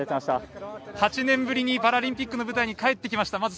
８年ぶりにパラリンピックの舞台に帰ってきました。